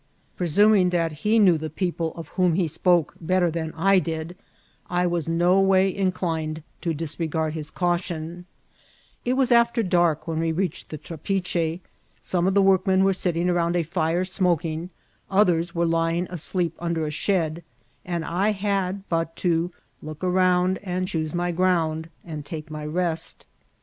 Presuming that he knew the people of whom he &poke better than I did, I was no way inclmed to disregard his oaution* It was after dark when we reached the trapiche ; some of the work men were sitting around a fire smoking ; others were lying asleep under a shed, and I had but to Look around and ohoote nty fronod, And take mj iwt.''